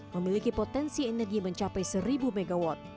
memiliki potensi energi mencapai seribu mw